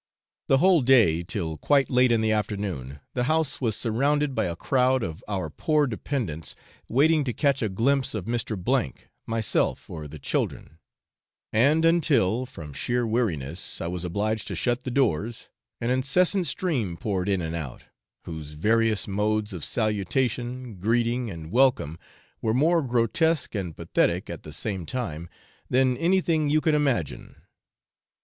The whole day, till quite late in the afternoon, the house was surrounded by a crowd of our poor dependents, waiting to catch a glimpse of Mr. , myself, or the children; and until, from sheer weariness, I was obliged to shut the doors, an incessant stream poured in and out, whose various modes of salutation, greeting, and welcome were more grotesque and pathetic at the same time than anything you can imagine.